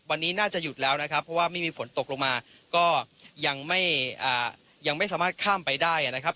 วันนี้น่าจะหยุดแล้วนะครับเพราะว่าไม่มีฝนตกลงมาก็ยังไม่ยังไม่สามารถข้ามไปได้นะครับ